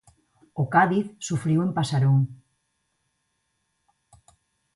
O Cádiz sufriu en Pasarón.